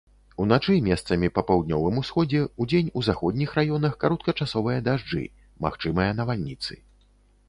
Уначы месцамі па паўднёвым усходзе, удзень у заходніх раёнах кароткачасовыя дажджы, магчымыя навальніцы.